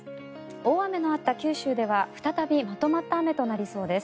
大雨のあった九州では再びまとまった雨となりそうです。